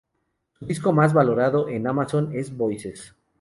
Su disco más valorado en Amazon es "Voices".